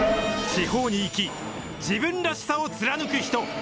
地方に生き、自分らしさを貫く人。